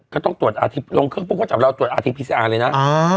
ก็ต้องตรวจลงเครื่องพุ่งก็จับเราตรวจเลยน่ะอ่า